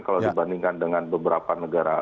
kalau dibandingkan dengan beberapa negara